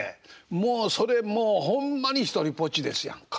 もうそれもうほんまにひとりぼっちですやんか。